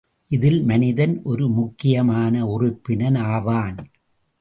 இதில் மனிதன் ஒரு முக்கியமான உறுப்பினன் ஆவான்.